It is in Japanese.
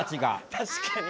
確かに。